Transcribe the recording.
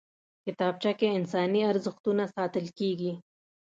کتابچه کې انساني ارزښتونه ساتل کېږي